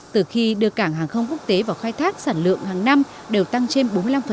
từ khi đưa cảng hàng không quốc tế vào khai thác sản lượng hàng năm đều tăng trên bốn mươi năm